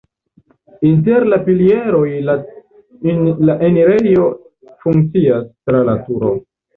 Inter la pilieroj la enirejo funkcias tra la turo.